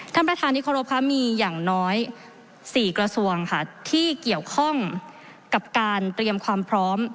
ท่านประธานที่เคารพค่ะมีอย่างน้อย๔กระทรวงค่ะที่เกี่ยวข้องกับการเตรียมความพร้อม